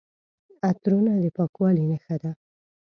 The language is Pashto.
عطرونه د پاکوالي نښه ده.